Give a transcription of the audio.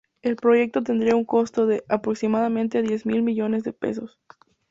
El proyecto tendría un costo de, aproximadamente, diez mil millones de pesos.